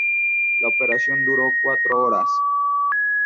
La operación duró cuatro horas.